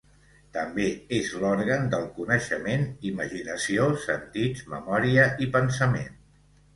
També és l'òrgan del coneixement: imaginació, sentits, memòria i pensament.